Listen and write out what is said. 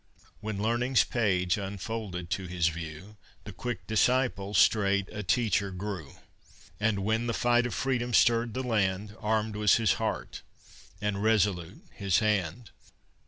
When learning's page unfolded to his view, The quick disciple straight a teacher grew; And, when the fight of freedom stirred the land, Armed was his heart and resolute his hand.